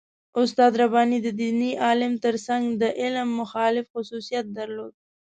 استاد رباني د دیني عالم تر څنګ د علم مخالف خصوصیت درلود.